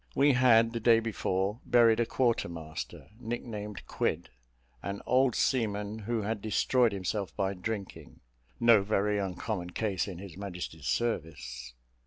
We had, the day before, buried a quarter master, nick named Quid, an old seaman who had destroyed himself by drinking no very uncommon case in His Majesty's service.